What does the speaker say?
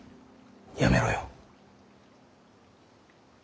辞めろよ。